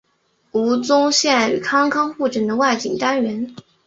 吴宗宪与康康互整的外景单元。